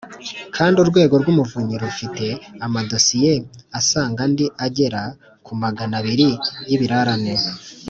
kandi urwego rw’umuvunyi rufite amadosiye asanga andi agera kuri magana abiri y’ibirarane,